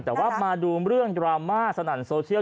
แต่ว่ามาดูเรื่องดราม่าสนั่นโซเชียล